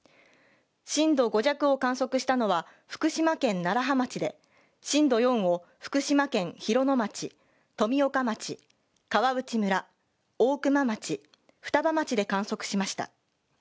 震度５弱を観測したのは福島県楢葉町で震度４を福島県広野町、富岡町、川内村、大熊町、双葉町で観測しました。